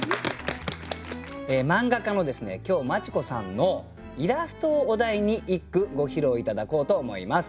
漫画家の今日マチ子さんのイラストをお題に一句ご披露頂こうと思います。